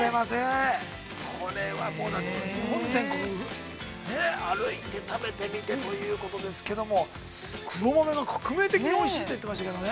◆これはもうだって、日本全国、歩いて食べてみてということですけども、黒豆が革命的においしいって言ってましたけどね。